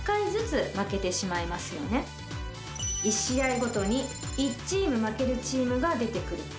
１試合ごとに１チーム負けるチームが出て来る。